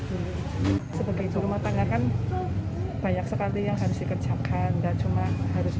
itu rumah tangga kan banyak sekali yang harus dikerjakan dan cuma harus mengurusi